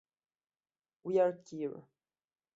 We're queer.